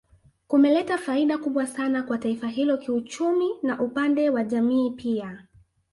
Kumeleta faida kubwa sana kwa taifa hilo kiuchumi na upande wa jamii pia